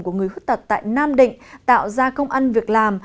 của người khuyết tật tại nam định tạo ra công ăn việc làm